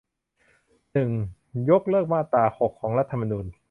หนึ่ง ยกเลิกมาตราหก ของรัฐธรรมนูญ